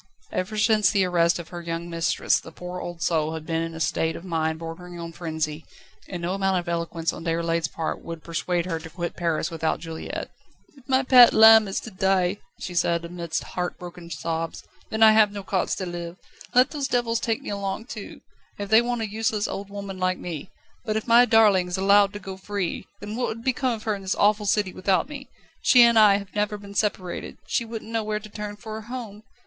Ever since the arrest of her young mistress the poor old soul had been in a state of mind bordering on frenzy, and no amount of eloquence on Déroulède's part would persuade her to quit Paris without Juliette. "If my pet lamb is to die," she said amidst heart broken sobs, "then I have no cause to live. Let those devils take me along too, if they want a useless, old woman like me. But if my darling is allowed to go free, then what would become of her in this awful city without me? She and I have never been separated; she wouldn't know where to turn for a home.